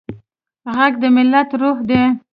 غږ د ملت روح دی